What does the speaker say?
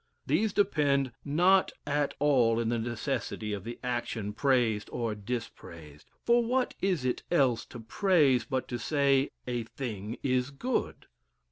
"These depend not at all in the necessity of the action praised or dispraised. For what is it else to praise, but to say _a thing is good?